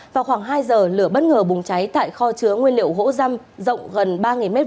vào khoảng hai giờ lửa bất ngờ bùng cháy tại kho chứa nguyên liệu gỗ răm rộng gần ba m hai